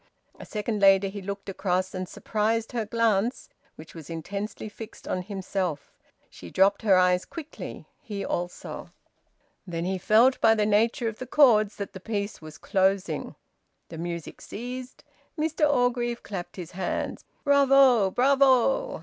A second later, he looked across, and surprised her glance, which was intensely fixed on himself. She dropped her eyes quickly; he also. Then he felt by the nature of the chords that the piece was closing. The music ceased. Mr Orgreave clapped his hands. "Bravo! Bravo!"